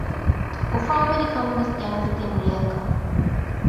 އުފާވެރި ކަންވެސް ގެނެސްދިން ރެއަކަށް